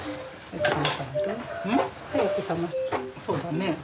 そうだね。